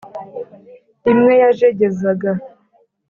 imwe yajegezaga